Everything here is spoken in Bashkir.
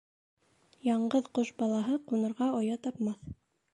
Яңғыҙ ҡош балаһы ҡунырға оя тапмаҫ.